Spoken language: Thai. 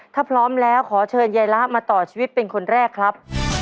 ถ้าพร้อมแล้วขอเชิญยายละมาต่อชีวิตเป็นคนแรกครับ